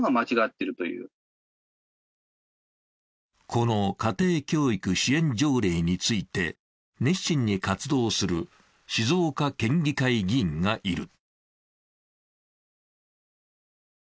この家庭教育支援条例について、熱心に活動する静岡県議会議員がいる。